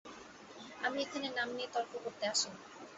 আমি এখানে নাম নিয়ে তর্ক করতে আসিনি।